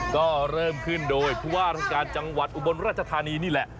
ก็เริ่มขึ้นโดยผู้ว่าราชการจังหวัดอุบลราชธานีนี่แหละ